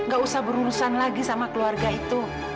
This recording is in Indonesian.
gak usah berurusan lagi sama keluarga itu